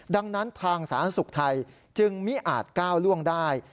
ดังนั้นทางสาธารณสุขไทยจึงไม่อาจก้าวล่วงได้